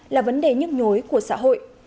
là vấn đề nhức nhối của xã hội